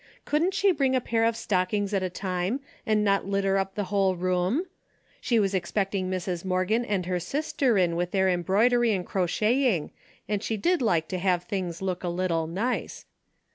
Couldn't she bring a pair of stockings at a time, and not litter up the whole room ? She was expecting Mrs. Morgan and her sister A DAILY bate: 83 in with their embroidery and crocheting, and she did like to have things look a little nice.